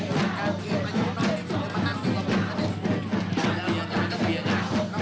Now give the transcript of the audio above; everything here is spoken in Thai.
น้องเบียนน้องเบียนก็จะแก่นได้แล้วนะ